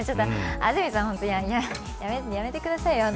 安住さん、やめてくださいよ。